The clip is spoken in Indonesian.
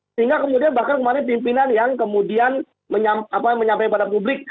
sehingga kemudian bahkan kemarin pimpinan yang kemudian menyampaikan pada publik